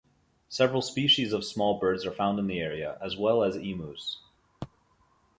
Several species of small birds are found in the area, as well as emus.